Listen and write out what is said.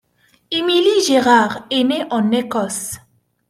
Emily Gerard est née en Écosse.